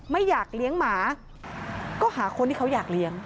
ไม่อยากเลี้ยงหมาก็หาคนที่เขาอยากเลี้ยง